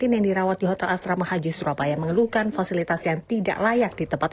yang dirawat di hotel asrama haji surabaya mengeluhkan fasilitas yang tidak layak di tempat